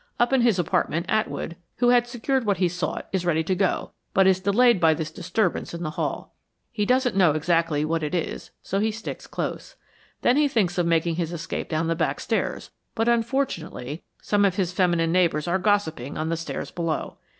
Up in his apartment, Atwood, who had secured what he sought, is ready to go, but is delayed by this disturbance in the hall. He doesn't know exactly, what it is, so he sticks close. Then he thinks of making his escape down the back stairs, but unfortunately some of his feminine neighbors are gossiping on the stairs below.